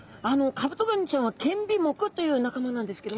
カブトガニちゃんは剣尾目という仲間なんですけども。